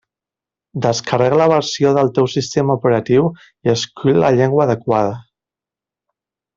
Descarrega la versió del teu sistema operatiu i escull la llengua adequada.